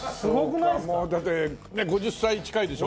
そうかもうだって５０歳近いでしょ？